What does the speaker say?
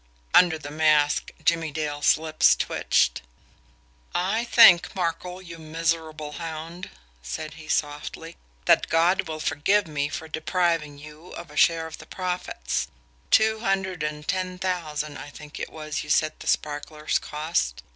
Under the mask, Jimmie Dale's lips twitched. "I think, Markel, you miserable hound," said he softly, "that God will forgive me for depriving you of a share of the profits. Two hundred and ten thousand, I think it was, you said the sparklers cost."